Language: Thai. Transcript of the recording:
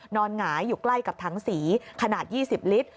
หงายอยู่ใกล้กับถังสีขนาด๒๐ลิตร